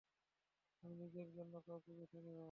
আমি নিজের জন্য কাউকে বেছে নেব।